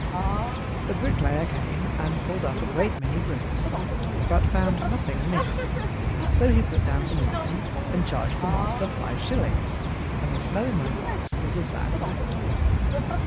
The bricklayer came and pulled up a great many bricks, but found nothing amiss; so he put down some lime and charged the master five shillings, and the smell in my box was as bad as ever.